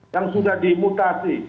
yang sudah dimutasi